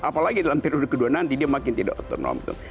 apalagi dalam periode kedua nanti dia makin tidak otonom